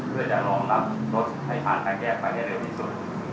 เพื่อจะรองรับรถให้ผ่านทางแยกไปให้เร็วที่สุด